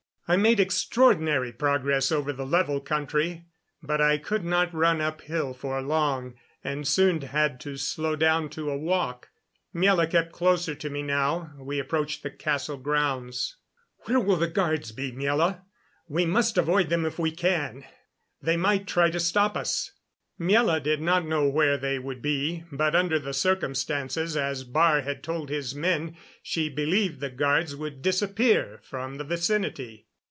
I made extraordinary progress over the level country. But I could not run uphill for long, and soon had to slow down to a walk. Miela kept closer to me now. We approached the castle grounds. "Where will the guards be, Miela? We must avoid them if we can. They might try to stop us." Miela did not know where they would be; but under the circumstances, as Baar had told his men, she believed the guards would disappear from the vicinity.